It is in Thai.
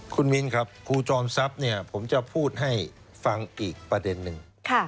คุณมินครับครูจอมทรัพย์ผมจะพูดให้ฟังอีกประเด็นหนึ่ง